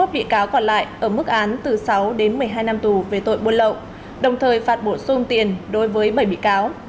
hai mươi bị cáo còn lại ở mức án từ sáu đến một mươi hai năm tù về tội buôn lậu đồng thời phạt bổ sung tiền đối với bảy bị cáo